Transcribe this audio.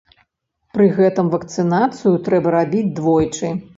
Пры гэтым вакцынацыю трэба рабіць двойчы.